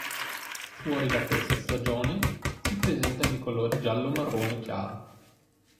Fuori da questa stagione si presenta di colore giallo-marrone chiaro.